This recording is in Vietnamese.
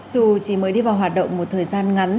dù chỉ mới đi vào hoạt động một thời gian ngắn